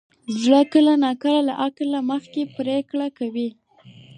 زړه کله ناکله له عقل نه مخکې پرېکړه کوي.